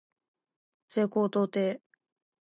西高東低